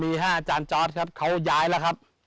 ๕อาจารย์จอร์ดครับเขาย้ายแล้วครับ